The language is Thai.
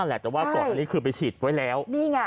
แต่ว่าก่อนนี้คือไปฉีดไว้แล้ว